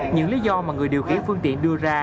những lý do mà người điều khiển phương tiện đưa ra